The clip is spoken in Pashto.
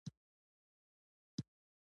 زردالو له مستو سره هم خوند لري.